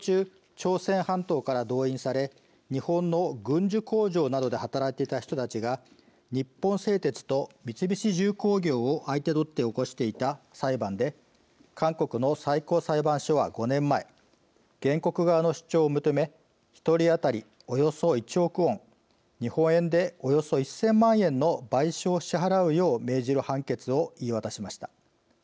朝鮮半島から動員され日本の軍需工場などで働いていた人たちが日本製鉄と三菱重工業を相手取って起こしていた裁判で韓国の最高裁判所は５年前原告側の主張を認め１人当たり、およそ１億ウォン日本円でおよそ１０００万円の賠償を支払うよう命じる判決を言い渡しました。